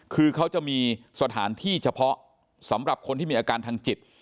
คือเขาจะมีสถานที่เฉพาะสำหรับคนที่มีอาการทางจิต